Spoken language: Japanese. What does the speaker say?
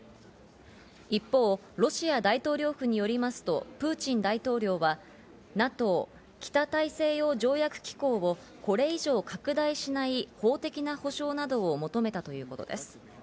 一方、ロシア大統領府によりますとプーチン大統領はＮＡＴＯ＝北大西洋条約機構をこれ以上拡大しない法的な保証などを求めたということです。